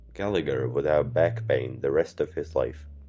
Gallagher would have back pain the rest of his life.